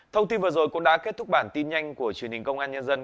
thông tin vừa rồi cũng đã kết thúc bản tin nhanh của truyền hình công an nhân dân